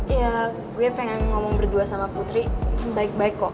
iya gue pengen ngomong berdua sama putri baik baik kok